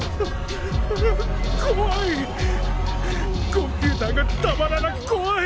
コンピューターがたまらなく怖い！